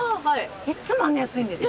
いっつもあんな安いんですか？